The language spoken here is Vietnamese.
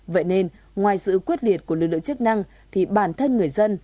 vậy nên ngoài sự quyết liệt của lực lượng chức năng thì bản thân người dân